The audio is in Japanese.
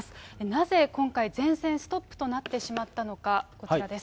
なぜ、今回全線ストップとなってしまったのか、こちらです。